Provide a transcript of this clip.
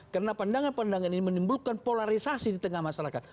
karena pandangan pandangan ini menimbulkan polarisasi di tengah masyarakat